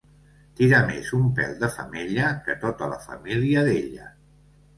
Tira més un pèl de femella que tota la família d'ella.